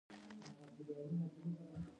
د ګلانو د حساسیت لپاره عینکې وکاروئ